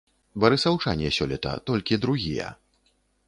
Барысаўчане сёлета толькі другія.